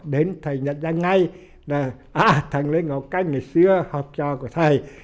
đến thầy nhận ra ngay là thằng lê ngọc canh ngày xưa học trò của thầy